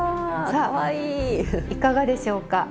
さあいかがでしょうか？